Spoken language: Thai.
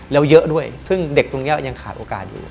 แล้วเยอะด้วยซึ่งเด็กตรงนี้ยังขาดโอกาสอยู่